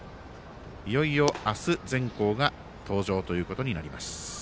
いよいよ、明日全校が登場ということになります。